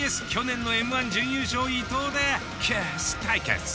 去年のＭ−１準優勝伊藤でキス対決。